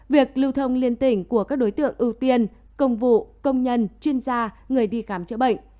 việc lưu thông liên tỉnh của các đối tượng ưu tiên công vụ công nhân chuyên gia người đi khám chữa bệnh